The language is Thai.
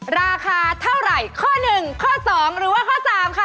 ราคาเท่าไหร่ข้อ๑ข้อ๒หรือว่าข้อ๓ค่ะ